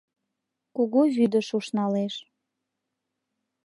Кугу вӱдыш ушналеш.